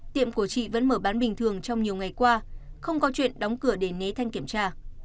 tiệm của chị vẫn mở bán bình thường trong nhiều ngày qua không có chuyện đóng cửa để né thanh kiểm tra